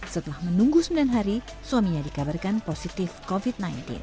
setelah menunggu sembilan hari suaminya dikabarkan positif covid sembilan belas